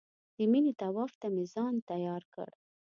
د مینې طواف ته مې ځان تیار کړ.